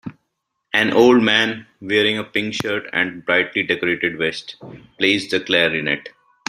An old man, wearing a pink shirt and a brightly decorated vest, plays the clarinet.